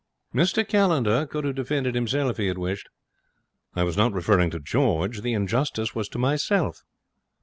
'Mr Callender could have defended himself if he had wished.' 'I was not referring to George. The injustice was to myself.'